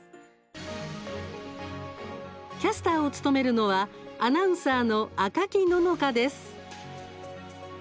キャスターを務めるのはアナウンサーの赤木野々花です。